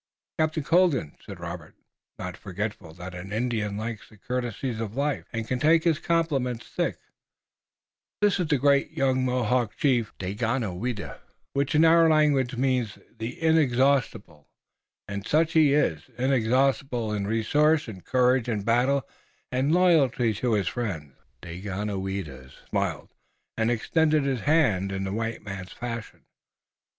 "Captain Colden," said Robert, not forgetful that an Indian likes the courtesies of life, and can take his compliments thick, "this is the great young Mohawk Chief, Daganoweda, which in our language means 'The Inexhaustible' and such he is, inexhaustible in resource and courage in battle, and in loyalty to his friends." Daganoweda smiled and extended his hand in the white man's fashion.